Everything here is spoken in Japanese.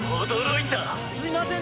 すいません！